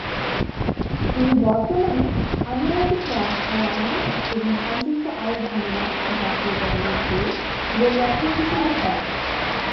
তিনি বর্তমানে আমিরাতি club Al আইন এবং সংযুক্ত আরব আমিরাত জাতীয় দলের হয়ে গোলরক্ষক হিসেবে খেলেন।